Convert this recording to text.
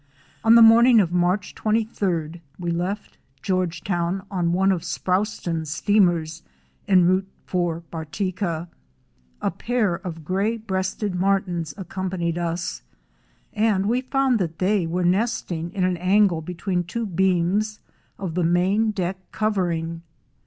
On the morning of March 23d, we left Georgetown on one of Sproston's steamers en route for Bartica. A pair of Gray breasted Martins accompanied us, and we found that they were nesting in an angle between two beams of the main deck covering.